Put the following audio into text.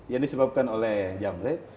yang disebabkan oleh jam red